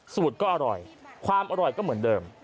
สูตรก็อร่อยความอร่อยก็เหมือนเดิม